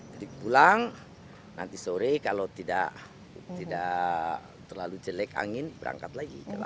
jadi pulang nanti sore kalau tidak terlalu jelek angin berangkat lagi ke laut